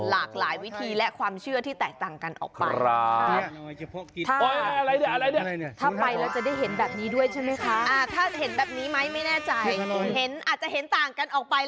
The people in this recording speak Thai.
หลากหลายวิธีและความเชื่อที่แตกต่างกันออกไป